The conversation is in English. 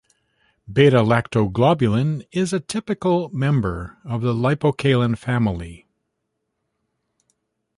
Beta-lactoglobulin is a typical member of the lipocalin family.